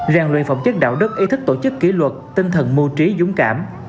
rèn luyện phẩm chất đạo đức ý thức tổ chức kỷ luật tinh thần mưu trí dũng cảm